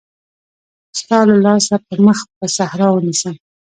ستا له لاسه به مخ پر صحرا ونيسم.